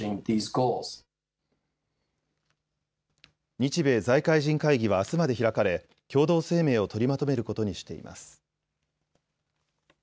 日米財界人会議はあすまで開かれ共同声明を取りまとめることにしています。